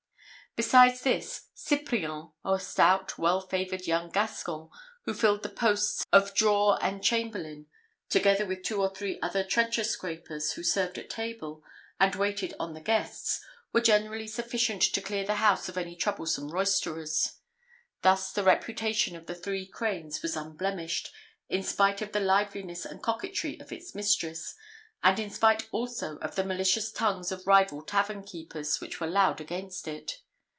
Besides this, Cyprien, a stout well favoured young Gascon, who filled the posts of drawer and chamberlain, together with two or three other trencher scrapers, who served at table, and waited on the guests, were generally sufficient to clear the house of any troublesome roysterers. Thus the reputation of the Three Cranes was unblemished, in spite of the liveliness and coquetry of its mistress; and in spite, also, of the malicious tongues of rival tavern keepers, which were loud against it.